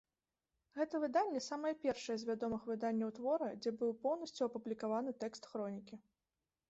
Гэта выданне самае першае з вядомых выданняў твора, дзе быў поўнасцю апублікаваны тэкст хронікі.